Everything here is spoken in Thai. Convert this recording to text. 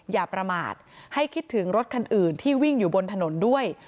อย่าประมาทให้คิดถึงรถคันอื่นที่วิ่งอยู่บนถนนด้วย